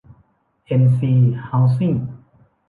เอ็น ซี เฮ้าส์ซิ่ง